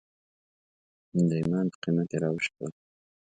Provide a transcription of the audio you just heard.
د ایمان په قیمت یې راوشکول.